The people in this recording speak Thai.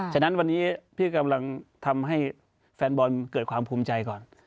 ฉะนั้นวันนี้พี่กำลังทำให้แฟนบอลเกิดความภูมิใจก่อน